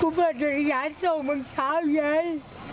กูเปลอะจะอยากส่งมันเช้าใหญ่